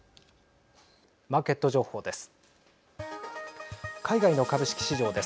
マーケット情報です。